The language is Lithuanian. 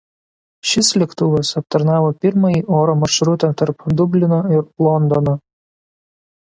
Šis lėktuvas aptarnavo pirmąjį oro maršrutą tarp Dublino ir Londono.